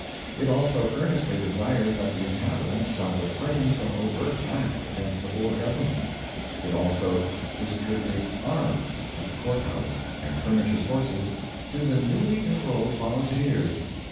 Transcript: It also earnestly desires that the inhabitants shall refrain from overt acts against the Boer government. It also "distributes arms" at the Court House, and furnishes horses "to the newly enrolled volunteers."